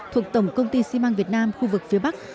thuộc tổng công ty xi măng việt nam khu vực phía bắc